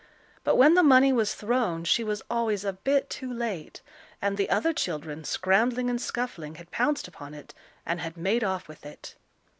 But when the money was thrown, she was always a bit too late, and the other children, scrambling and scuffling, had pounced upon it, and had made off with it.